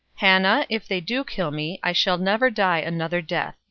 "Hannah, if they do kill me, I shall never die another death!"